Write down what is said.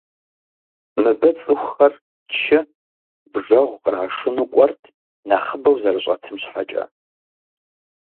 Мыбы цӏыхухэр чы, бжэгъу кърашыну кӏуэрт, нэхъыбэу зэрыщӏэтым щхьэкӏэ.